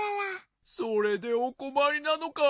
それでおこまりなのか。